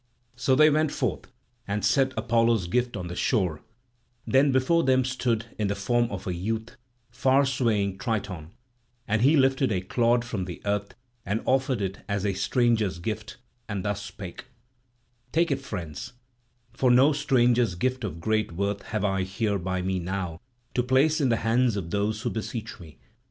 So they went forth and set Apollo's gift on the shore; then before them stood, in the form of a youth, farswaying Triton, and he lifted a clod from the earth and offered it as a stranger's gift, and thus spake: "Take it, friends, for no stranger's gift of great worth have I here by me now to place in the hands of those who beseech me.